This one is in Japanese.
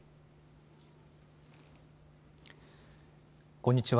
こんにちは。